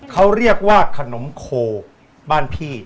เขาเรียกว่าขนมโคบ้านพี่